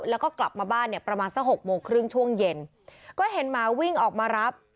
แล้วก็กลับมาบ้านเนี่ยประมาณสักหกโมงครึ่งช่วงเย็นก็เห็นหมาวิ่งออกมารับ